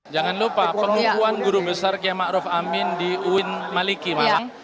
jangan lupa pengukuhan guru besar kiai ma'ruf amin di uin maliki malah